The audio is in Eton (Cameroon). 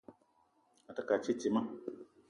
A te ke a titima.